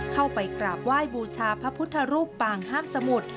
เข้าไปกราบไหว้บูชาพระพุทธรูปปางห้ามสมุทร